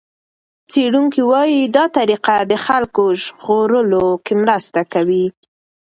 څېړونکي وايي دا طریقه د خلکو ژغورلو کې مرسته کوي.